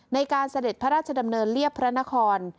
เสด็จพระราชดำเนินเรียบพระนคร